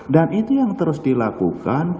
dan itu yang terus dilakukan